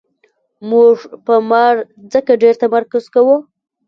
موږ په مار ځکه ډېر تمرکز کوو.